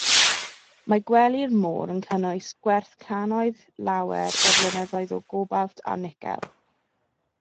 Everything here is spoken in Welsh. Mae gwely'r môr yn cynnwys “gwerth cannoedd lawer o flynyddoedd o gobalt a nicel”.